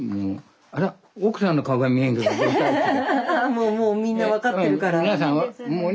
もうもうみんな分かってるから。